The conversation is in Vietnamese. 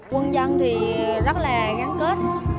quân dân thì rất là gắn kết